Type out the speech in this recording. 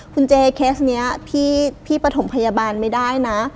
คุณเจเคสนี้พี่ปฐมพยาบาลไม่ได้นะ